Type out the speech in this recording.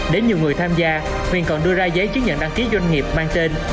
đến nhiều người tham gia huỳnh còn đưa ra giấy chứng nhận đăng ký doanh nghiệp mang tên